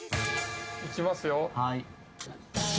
いきますよ。